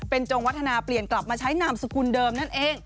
จงวัฒนาเปลี่ยนกลับมาใช้นามสกุลเดิมนั่นเอง